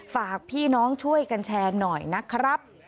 ฝากพี่น้องช่วยกันแชร์หน่อยนะครับ